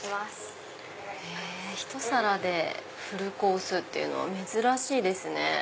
へぇひと皿でフルコースっていうのは珍しいですね。